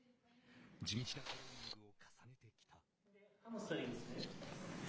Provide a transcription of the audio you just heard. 地道なトレーニングを重ねてきた。